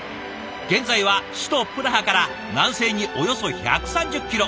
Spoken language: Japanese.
現在は首都プラハから南西におよそ１３０キロ。